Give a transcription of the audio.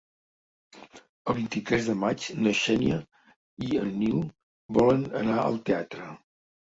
El vint-i-tres de maig na Xènia i en Nil volen anar al teatre.